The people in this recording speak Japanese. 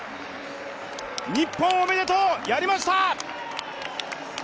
日本おめでとう、やりました！